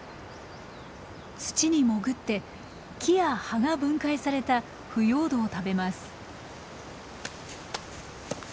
土に潜って木や葉が分解された腐葉土を食べます。